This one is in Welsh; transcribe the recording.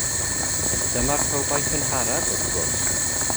Dyma'r cowboi cynharaf, wrth gwrs.